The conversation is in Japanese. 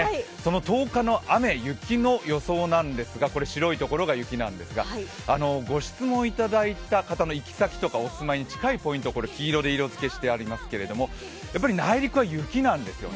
１０日の雨・雪の予想なんですが白いところが雪なんですがご質問いただいた方の行き先やお住まいに近いポイントを黄色に色づけしてありますけれどもやっぱり内陸は雪なんですよね。